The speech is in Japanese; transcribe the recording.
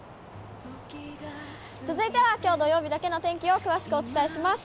続いてはきょう土曜日だけの天気を詳しくお伝えします。